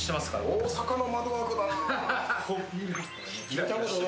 大阪の窓枠だな。